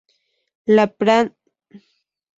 La planta es rectangular con torres en las esquinas.